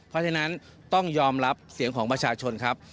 เพราะฉะนั้นต้องยอมรับเสียงของประชาชนครับ